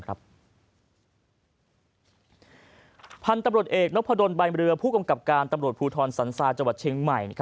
พันธุ์ตำรวจเอกนพดลใบเรือผู้กำกับการตำรวจภูทรสันทราจังหวัดเชียงใหม่